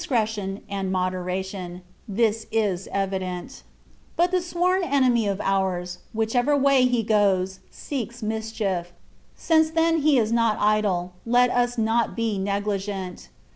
cretion, and moderation (this is evident) ; but the sworn enemy of ours, whichever way he goes, seeks mischief : since then he is not idle, let us not be negligent.